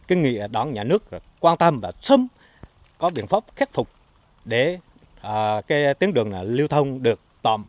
cái nghị đón nhà nước quan tâm và sớm có biện pháp khép phục để tiến đường liêu thông được tổng